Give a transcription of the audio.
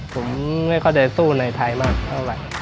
ผมไม่ค่อยได้สู้ในไทยมากเท่าไหร่